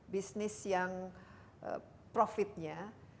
bisnis yang profitnya